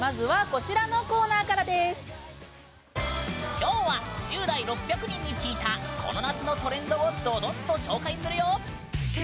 きょうは１０代６００人に聞いたこの夏のトレンドをドドンと紹介するよー！